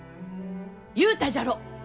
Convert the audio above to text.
言うたじゃろ！